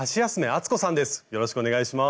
よろしくお願いします。